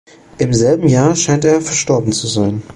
Im selben Jahr scheint er verstorben zu sein.